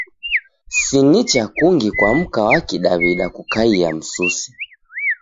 Si nicha kungi kwa mka wa Kidaw'ida kukaia msuse.